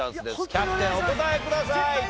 キャプテンお答えください。